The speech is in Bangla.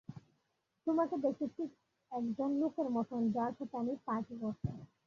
তোমাকে দেখতে ঠিক একজন লোকের মতন যার সাথে আমি পার্টি করতাম।